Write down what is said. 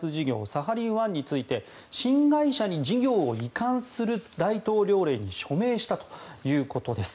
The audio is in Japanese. サハリン１について新会社に事業を移管する大統領令に署名したということです。